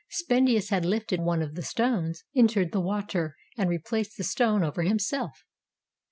Spendius had lifted one of the stones, entered the water, and replaced the stone over himself.